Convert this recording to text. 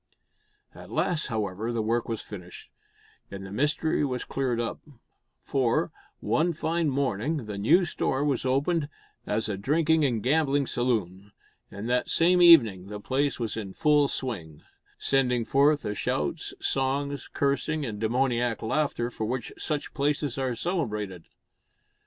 At last however, the work was finished, and the mystery was cleared up, for, one fine morning, the new store was opened as a drinking and gambling saloon; and that same evening the place was in full swing sending forth the shouts, songs, cursing and demoniac laughter for which such places are celebrated.